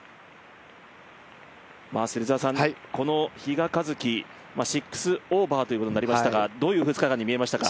この比嘉一貴、６オーバーということになりましたが、どういう２日間に見えましたか？